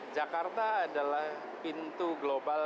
jakarta adalah pintu global